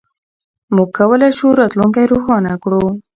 موږ کولای شو راتلونکی روښانه کړو.